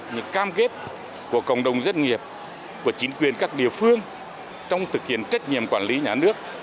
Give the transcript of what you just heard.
những cam kết của cộng đồng dân nghiệp của chính quyền các địa phương trong thực hiện trách nhiệm quản lý nhà nước